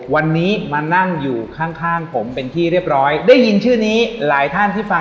วันนี้มานั่งอยู่ข้างข้างผมเป็นที่เรียบร้อยได้ยินชื่อนี้หลายท่านที่ฟัง